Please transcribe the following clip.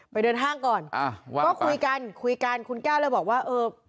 เดินห้างก่อนอ่าก็คุยกันคุยกันคุณแก้วเลยบอกว่าเออ